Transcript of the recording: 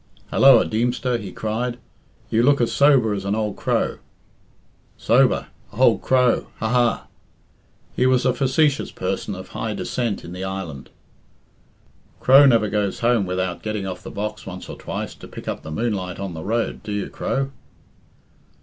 "Helloa, Deemster!" he cried. "You look as sober as an old crow. Sober! Old Crow! Ha, ha!" He was a facetious person of high descent in the island. "Crow never goes home without getting off the box once or twice to pick up the moonlight on the road do you, Crow?"